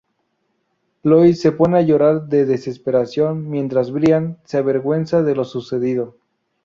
Lois se pone a llorar de desesperación, mientras Brian se avergüenza de lo sucedido.